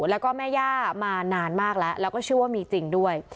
แล้วก็แม่ย่ามานานมากแล้วแล้วก็เชื่อว่ามีจริงด้วย